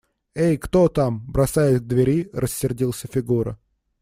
– Эй, кто там? – бросаясь к двери, рассердился Фигура.